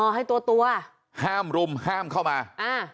ให้ตัวตัวห้ามรุมห้ามเข้ามาอ่า